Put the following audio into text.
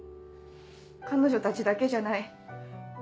彼女たちだけじゃない。